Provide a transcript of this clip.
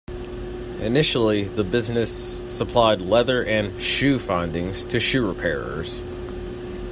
Initially the business supplied leather and "shoe findings" to shoe repairers.